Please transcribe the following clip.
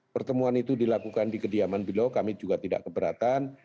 pertemuan itu dilakukan di kediaman beliau kami juga tidak keberatan